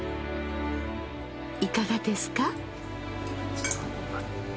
いかがですか？